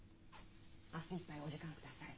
明日いっぱいお時間を下さい。